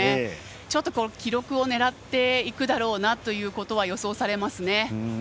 ちょっと記録を狙っていくだろうなということは予想されますね。